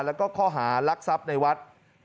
แล้วก็ข้อหารักทรัพย์ในวัด